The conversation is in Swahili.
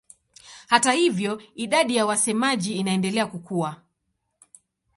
Hata hivyo idadi ya wasemaji inaendelea kukua.